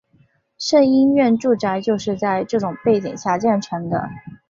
胜因院住宅就是在这种背景下建成的。